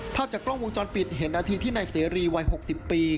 พลังจากกล้องวงจรปิดเห็นอาทิตย์ที่ในเสรีวัย๖๐ปี